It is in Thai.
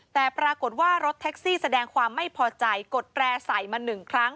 แต่ปรากฏว่ารถแท็กซี่แสดงความไม่พอใจกดแร่ใส่มาหนึ่งครั้ง